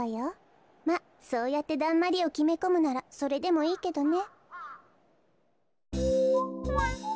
まっそうやってだんまりをきめこむならそれでもいいけどね。